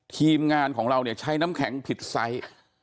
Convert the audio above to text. ทีมงานของเราเนี่ยใช้น้ำแข็งผิดไซส์